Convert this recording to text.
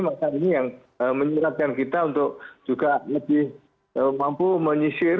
maka ini yang menyeratkan kita untuk juga lebih mampu menyisir